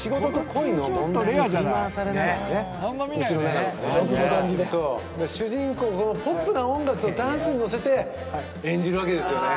このポップな音楽とダンスに乗せて演じるわけですよね。